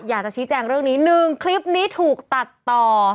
อยากจะชี้แจงเรื่องนี้หนึ่งคลิปนี้ถูกตัดต่อ